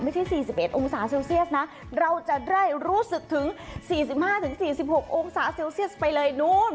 ไม่ใช่สี่สิบเอ็ดองศาเซลเซียสนะเราจะได้รู้สึกถึงสี่สิบห้าถึงสี่สิบหกองศาเซลเซียสไปเลยนู้น